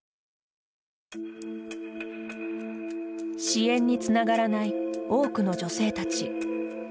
支援につながらない多くの女性たち。